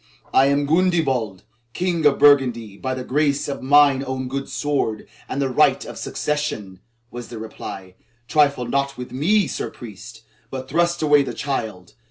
"I am Gundebald, King of Burgundy by the grace of mine own good sword and the right of succession," was the reply. "Trifle not with me, Sir Priest, but thrust away the child.